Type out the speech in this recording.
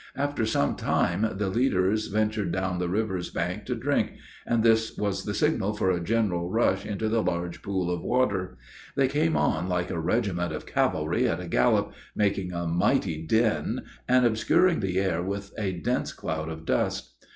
After some time the leaders ventured down the river's bank to drink, and this was the signal for a general rush into the large pool of water: they came on like a regiment of cavalry at a gallop, making a mighty din, and obscuring the air with a dense cloud of dust.